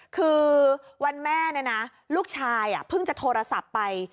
คือวันแม่เนี่ยนะลูกชายเพิ่งจะโทรศัพท์ไป